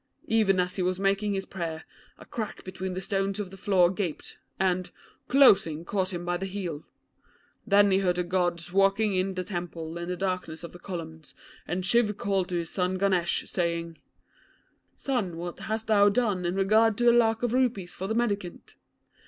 Even as he was making his prayers, a crack between the stones of the floor gaped, and, closing, caught him by the heel. Then he heard the Gods walking in the temple in the darkness of the columns, and Shiv called to his son Ganesh, saying "Son, what hast thou done in regard to the lakh of rupees for the mendicant?"